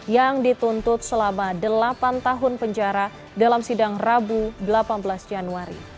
yang dituntut selama delapan tahun penjara dalam sidang rabu delapan belas januari